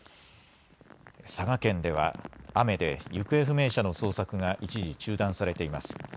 佐賀県では雨で行方不明者の捜索が一時、中断されています。